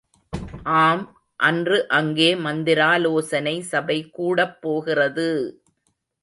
ஆம், அன்று அங்கே மந்திராலோசனை சபை கூடப்போகிறது!